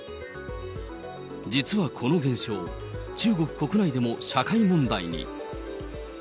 実はこの現象、中国国内でも社会問題に。